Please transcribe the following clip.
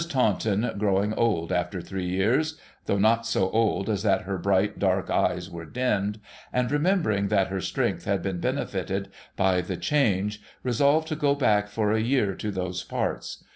Taunton, growing old after three years — though not so old as that her bright, dark eyes were dimmed — and remembering that her strength had been benefited by the change, resolved to go back for a year to those parts.